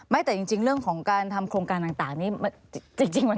ไม่แต่จริงเรื่องของการทำโครงการต่างนี่จริงมันคือ